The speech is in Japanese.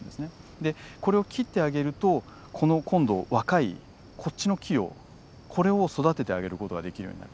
でこれを切ってあげるとこの今度若いこっちの木をこれを育ててあげる事ができるようになる。